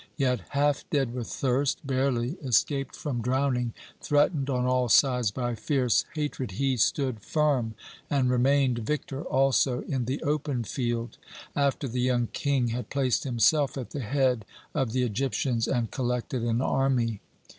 Yet, half dead with thirst, barely escaped from drowning, threatened on all sides by fierce hatred, he stood firm, and remained victor also in the open field, after the young King had placed himself at the head of the Egyptians and collected an army.